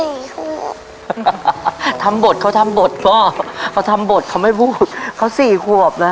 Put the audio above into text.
ทำบทเขาทำบทก็เขาทำบทเขาไม่พูดเขาสี่ขวบนะ